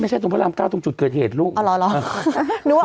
ไม่ใช่คุณพระรำก้าวตรงจุดเกิดเหตุน้อง